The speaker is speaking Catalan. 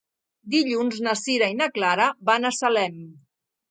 Dilluns na Sira i na Clara van a Salem.